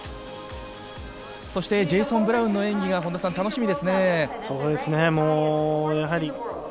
そしてジェイソン・ブラウンの演技が楽しみですね。